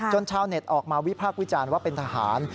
ชาวเน็ตออกมาวิพากษ์วิจารณ์ว่าเป็นทหาร